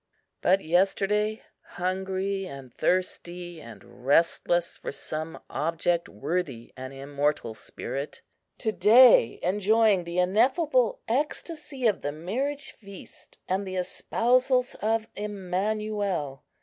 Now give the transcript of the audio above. But yesterday, hungry and thirsty, and restless for some object worthy an immortal spirit; to day enjoying the ineffable ecstasy of the Marriage Feast and the espousals of Emmanuel.